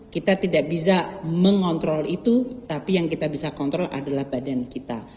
kita tidak bisa mengontrol itu tapi yang kita bisa kontrol adalah badan kita